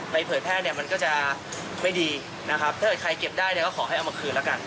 เผยแพร่เนี่ยมันก็จะไม่ดีนะครับถ้าเกิดใครเก็บได้เนี่ยก็ขอให้เอามาคืนแล้วกัน